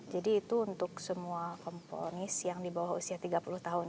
jadi itu untuk semua komponis yang di bawah usia tiga puluh tahun